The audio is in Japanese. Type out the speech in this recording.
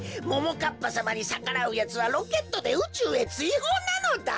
かっぱさまにさからうやつはロケットでうちゅうへついほうなのだ！